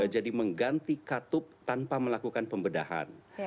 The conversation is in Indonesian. jadi mengganti katup tanpa melakukan pembedahan